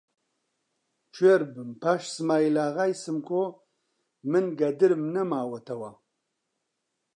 کوێر بم، پاش سمایلاغای سمکۆ من گەدرم نەماوەتەوە!